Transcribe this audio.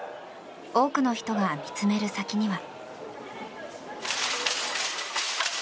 多くの人が見つめる先には。